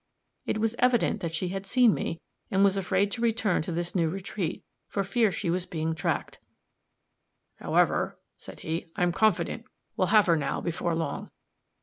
It was evident that she had seen me, and was afraid to return to this new retreat, for fear she was again tracked. "However," said he, "I'm confident we'll have her now before long.